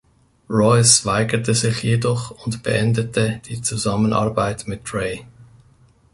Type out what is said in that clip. Royce weigerte sich jedoch und beendete die Zusammenarbeit mit Dre.